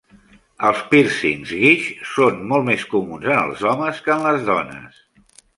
Els pírcings Guiche són molt més comuns en els homes que en les dones.